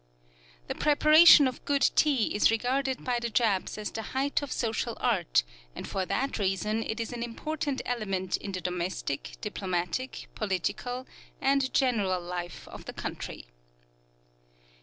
The preparation of good tea is regarded by the Japs as the height of social art, and for that reason it is an important element in the domestic, diplomatic, political, and general life of the country.